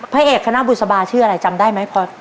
พระเอกคณะบุษบาชื่ออะไรจำได้ไหมพอ